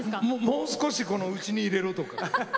「もう少し内に入れろ」とか。